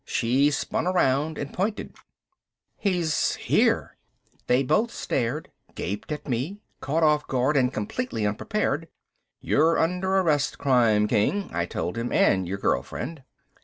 She spun around and pointed. "He's here!" They both stared, gaped at me, caught off guard and completely unprepared. "You're under arrest, crime king," I told him. "And your girl friend."